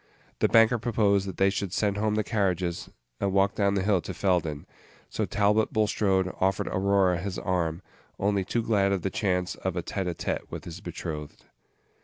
The banker proposed that they should send home the carriages, and walk down the hill to Felden; so Page 42 Talbot Bulstrode offered Aurora his arm, only too glad of the chance of a tête à tête with his betrothed.